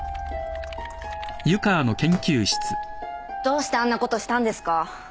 どうしてあんなことしたんですか？